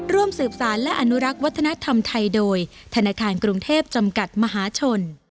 ร่วมสืบสารและอนุรักษ์วัฒนธรรมไทยโดยธนาคารกรุงเทพจำกัดมหาชน